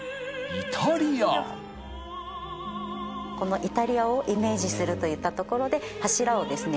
このイタリアをイメージするといったところで柱をですね